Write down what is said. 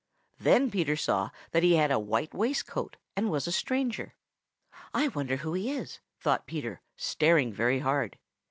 Then Peter saw that he had a white waist coat and was a stranger. "I wonder who he is?" thought Peter, staring very hard.